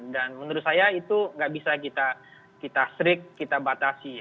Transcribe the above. menurut saya itu nggak bisa kita strict kita batasi